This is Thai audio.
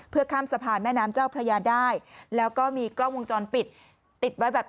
เพื่อข้ามสะพานแม่น้ำเจ้าพระยาได้แล้วก็มีกล้องวงจรปิดติดไว้แบบ